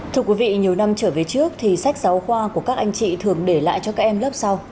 thưa quý vị nhiều năm trở về trước thì sách giáo khoa của các anh chị thường để lại cho các em lớp sau